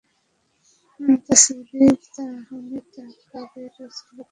তাসবীহ, তাহমীদ, তাকবীর এবং সালাত ও তাসলীমই তাদের একমাত্র ব্রত।